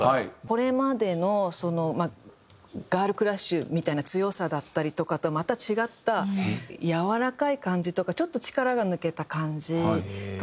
これまでのガールクラッシュみたいな強さだったりとかとまた違ったやわらかい感じとかちょっと力が抜けた感じとか。